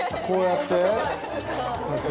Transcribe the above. こうやって？